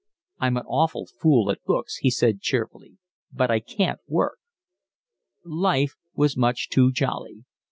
"I'm an awful fool at books," he said cheerfully, "but I CAN'T work." Life was much too jolly.